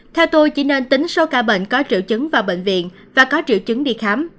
theo tôi chỉ nên tính số ca bệnh có triệu chứng vào bệnh viện và có triệu chứng đi khám